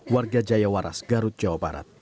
warga jayawaras garut jawa barat